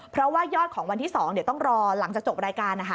เพราะว่ายอดของวันที่๒เดี๋ยวต้องรอหลังจากจบรายการนะคะ